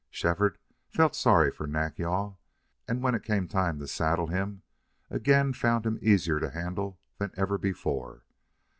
Shefford felt sorry for Nack yal, and when it came time to saddle him again found him easier to handle than ever before.